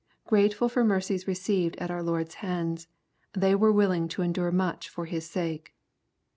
Grateful for mercies received at our Lord's hands, they were willing to en dure much for His sake.